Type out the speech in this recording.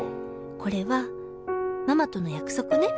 「これはママとの約束ね」。